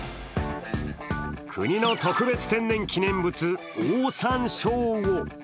国の特別天然記念物オオサンショウウオ。